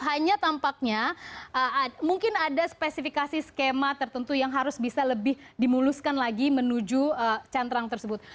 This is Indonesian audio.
hanya tampaknya mungkin ada spesifikasi skema tertentu yang harus bisa lebih dimuluskan lagi menuju cantrang tersebut